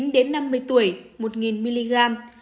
một mươi chín đến năm mươi tuổi một nghìn mg